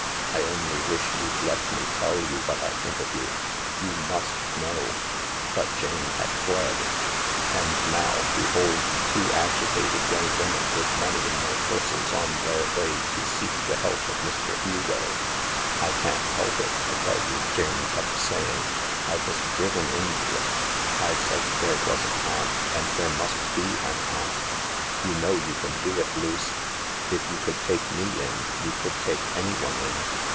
" I only wish you'd let me tell you what I think of you — you must know ..." But Jane had fled. •••••• And now behold two agitated young women with money in their purses on their way to seek the help of Mr. Hugo. " I can't help it, I tell you," Jane kept saying. " I was driven into it. I said there was an aunt, and there must be an aunt. You know you can do it, Luce. If you could take me in you could take anyone in.